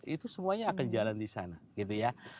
itu semuanya akan jalan disana gitu ya